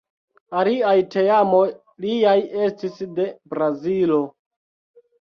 Aliaj teamoj liaj estis de Brazilo.